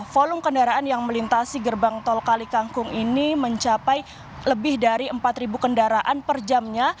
volume kendaraan yang melintasi gerbang tol kali kangkung ini mencapai lebih dari empat kendaraan per jamnya